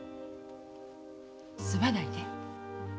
すまないね。